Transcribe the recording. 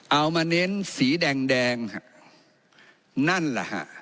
เอามาเน้นสีแดงนั่นล่ะฮะ